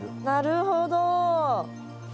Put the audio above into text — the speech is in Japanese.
なるほど。